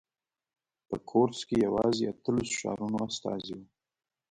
په کورتس کې یوازې اتلسو ښارونو استازي وو.